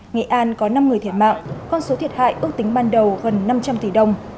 nghệ an có năm người thiệt mạng con số thiệt hại ước tính ban đầu gần năm trăm linh tỷ đồng